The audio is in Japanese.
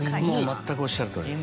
まったくおっしゃるとおりです。